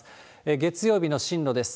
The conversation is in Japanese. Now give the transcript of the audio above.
月曜日の進路です。